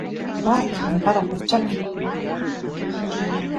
waa chimpara qochapi